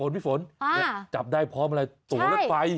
พี่ฝนจับได้พร้อมอะไรตัวรถไฟ